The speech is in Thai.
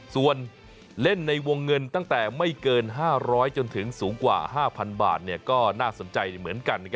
ส่วนเล่นในวงเงินตั้งแต่ไม่เกิน๕๐๐๕๐๐๐บาทก็น่าสนใจเหมือนกัน